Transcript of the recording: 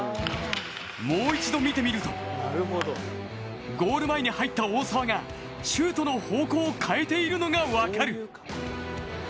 もう一度見てみると、ゴール前に入った大澤がシュートの方向を変えているのが分かる。